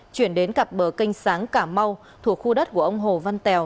chuyển đến cặp bờ kênh sáng cả mau thuộc khu đất của ông hồ văn tèo